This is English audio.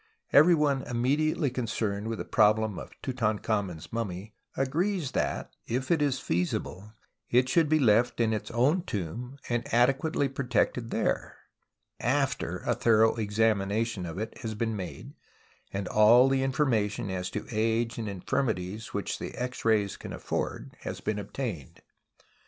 Everyone immediately concerned with the pro blem of Tutankhamen's mummy agrees that, if it is feasible, it should be left in its own tomb and adequately protected there after a thorough examination of it has been made, and all the information ^s to age and infirmities which the X rays can afford has been obtained.